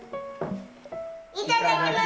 いただきます！